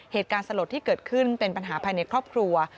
เหตุการณ์สลดที่เกิดขึ้นเป็นปัญหาภายในครอบครัว